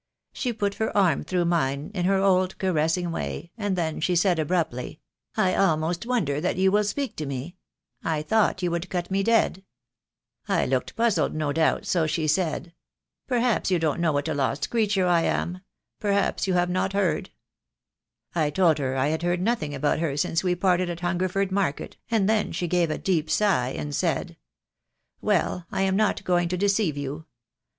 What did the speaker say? She put her arm through mine in her old caressing way, and then she said, abruptly, 'I almost wonder that you will speak to me. I thought you would cut me dead.' I looked puzzled, no doubt; so she said, 'Perhaps you don't know 200 THE DAY WILL COME. what a lost creature I am. Perhaps you have not heard/ I told her I had heard nothing about her since we parted at Hungerford Market, and then she gave a deep sigh, and said, 'Well, I am not going to deceive you.